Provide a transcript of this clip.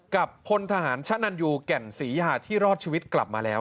พลทหารชะนันยูแก่นศรียาที่รอดชีวิตกลับมาแล้ว